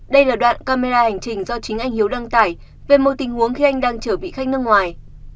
đây là đoạn camera hành trình do chính anh hiếu đăng tải về một tình huống khi anh đang chở vị khách nước ngoài